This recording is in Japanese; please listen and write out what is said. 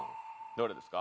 どれですか？